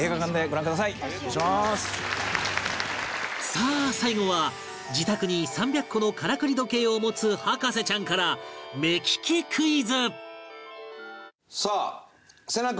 さあ最後は自宅に３００個のからくり時計を持つ博士ちゃんから目利きクイズさあ聖捺君！